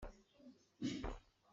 Vuiho cu a man a sung ngai.